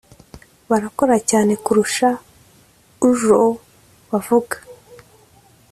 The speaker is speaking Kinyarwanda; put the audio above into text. barakora cyane kurusha ujo bavuga